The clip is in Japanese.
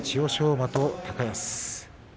馬と高安。